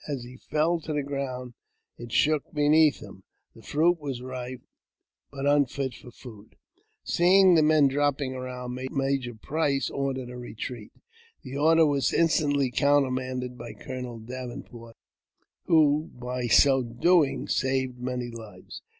As he fell to the ground it shook beneath him : the fruit was ripe, but unfit for food. Seeing the men dropping around, Major Price ordered a retreat. The order was instantly countermanded by Colonel Davenport, who, by so doing, saved many lives.